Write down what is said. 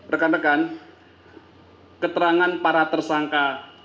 rekan rekan keterangan para tersangka